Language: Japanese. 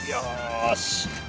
よし。